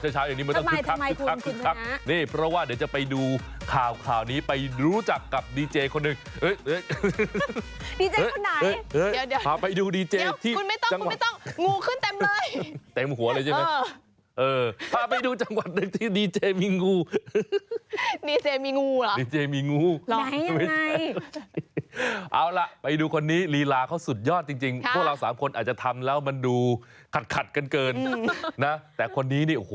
ช้าอย่างนี้มันต้องคึกคัก